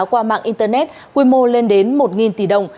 qua mạng internet quy mô lên đến một tỷ đồng